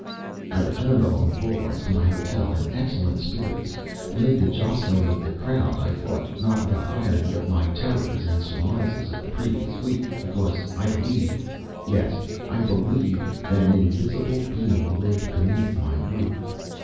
I returned along the boulevards to my hotel in excellent spirits. Amid the jostling of the crowd I thought, not without irony, of my terrors and surmises of the previous week, because I believed, yes, I believed, that an invisible being lived beneath my roof.